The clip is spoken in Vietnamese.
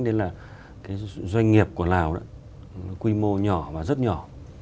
đến là doanh nghiệp của lào quy mô nhỏ và rất nhỏ